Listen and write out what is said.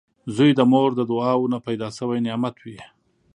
• زوی د مور د دعاوو نه پیدا شوي نعمت وي